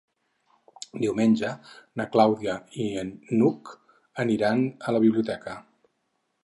Diumenge na Clàudia i n'Hug aniran a la biblioteca.